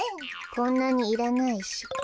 こんなにいらないし。